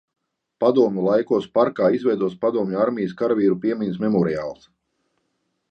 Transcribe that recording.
Padomju laikos parkā izveidots Padomju armijas karavīru piemiņas memoriāls.